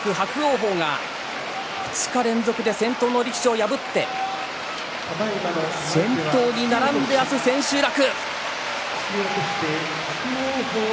鵬が２日連続で先頭の力士を破って先頭に並んで明日、千秋楽。